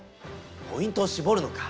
ポイントをしぼるのか。